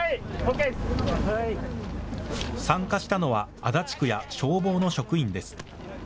参加したのは足立区や消防の職員です。